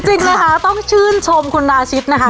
จริงนะคะต้องชื่นชมคุณราชิตนะคะ